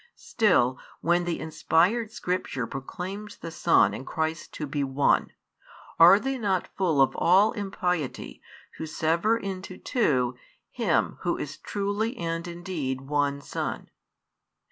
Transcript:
Still, when the inspired Scripture proclaims the Son and Christ to be One, are they not full of all impiety who sever into two Him Who is truly and indeed One Son?